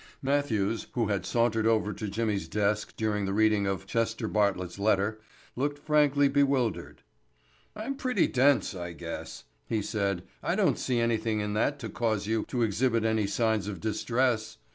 '" Matthews, who had sauntered over to Jimmy's desk during the reading of Chester Bartlett's letter, looked frankly bewildered. "I'm pretty dense, I guess," he said. "I don't see anything in that to cause you to exhibit any signs of distress.